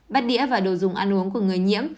bắt đĩa và đồ dùng ăn uống của người nhiễm